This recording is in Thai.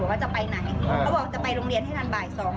ว่าจะไปไหนเขาบอกจะไปโรงเรียนให้ทันบ่าย๒